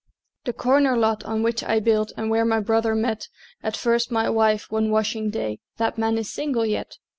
The "corner lot" on which I built, And where my brother met At first my wife, one washing day, That man is single yet!